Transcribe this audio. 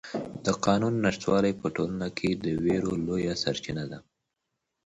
د قانون نشتوالی په ټولنه کې د وېرو لویه سرچینه ده.